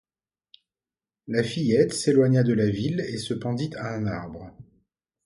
La fillette s’éloigna de la ville et se pendit à un arbre.